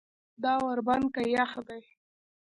دا ور بند که یخ دی.